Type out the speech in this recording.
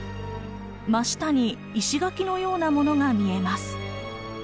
真下に石垣のようなものが見えます。